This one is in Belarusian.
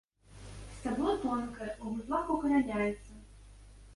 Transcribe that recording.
Сцябло тонкае, у вузлах укараняецца.